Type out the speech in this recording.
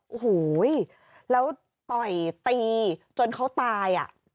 โอ้โหแล้วต่อยตีจนเขาตายอ่ะ